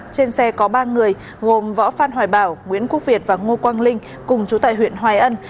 trên xe có ba người gồm võ phan hoài bảo nguyễn quốc việt và ngô quang linh cùng chú tại huyện hoài ân